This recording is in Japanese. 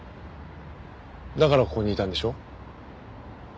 だからここにいたんでしょ？